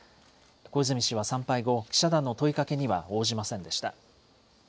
小泉氏は参拝後、記者団の問いかけには応じませんでした。